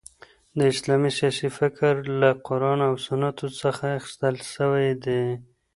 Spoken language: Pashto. د اسلامی سیاسي فکر له قران او سنتو څخه اخیستل سوی دي.